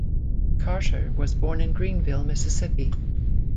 Carter was born in Greenville, Mississippi.